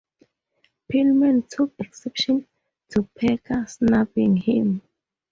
Pillman took exception to Parker snubbing him.